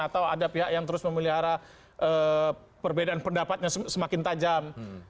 atau ada pihak yang terus memelihara perbedaan pendapatnya semakin tajam